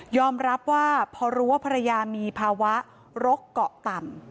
รับว่าพอรู้ว่าภรรยามีภาวะโรคเกาะต่ำ